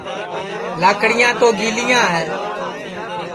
لاکڑیاں تو گیلیاں ہے